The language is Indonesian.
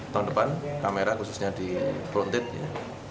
tahun depan kamera khususnya di frontage ya